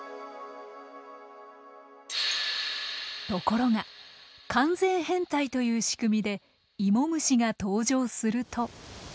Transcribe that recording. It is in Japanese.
ところが完全変態というしくみでイモムシが登場すると。